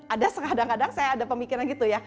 ada kadang kadang saya ada pemikiran gitu ya